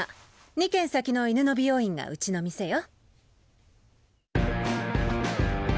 ２軒先の犬の美容院がうちの店よ。